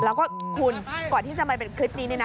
แล้วก็คุณก่อนที่จะมาเป็นคลิปนี้เนี่ยนะ